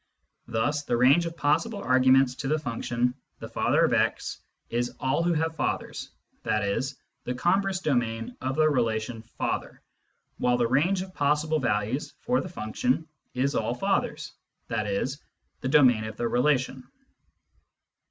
Thus the range of possible arguments to the function " the father of x " is all who have fathers, i.e. the con verse domain of the relation father, while the range of possible values for the function is all fathers, i.e. the domain of the relation.